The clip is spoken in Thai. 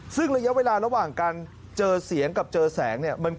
ซึ่งระยะเวลาระหว่างการเจอเสียงกับเจอแสงเนี่ย